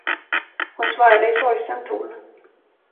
Hon svarade i sorgsen ton.